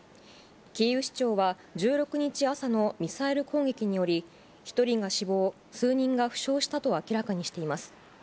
キーウ市長は、１６日朝のミサイル攻撃により、１人が死亡、数人が負傷したと明らかにしています。